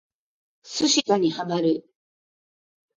寿司打にハマる